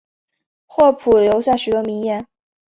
霍普留下许多名言。